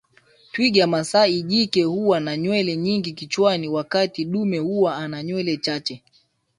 Twiga masai jike huwa na nywele nyingi kichwani wakati dume huwa ana nywele chache